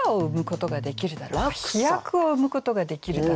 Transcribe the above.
「飛躍」を生むことができるだろうか。